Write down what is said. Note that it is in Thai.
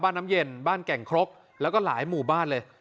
น้ำเย็นบ้านแก่งครกแล้วก็หลายหมู่บ้านเลย